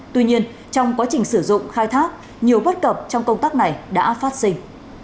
tuy nhiên trong quá trình sử dụng khai thác nhiều bất cập trong công tác này đã phát sinh